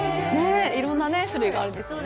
いろんな種類があるんですよね。